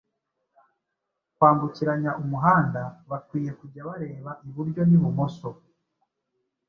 kwambukiranya umuhanda bakwiye kujya bareba iburyo n’ibumoso